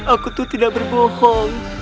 aku itu tidak berbohong